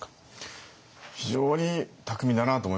非常に巧みだなと思いましたね。